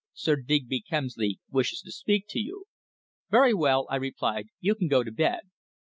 "Sir Digby Kemsley wishes to speak to you." "Very well!" I replied. "You can go to bed."